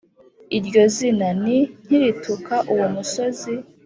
iryo zina ni nk’irituka uwo musozi